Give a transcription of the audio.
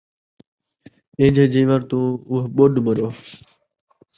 ایجھے جیوݨ توں اوہو ٻݙ مرو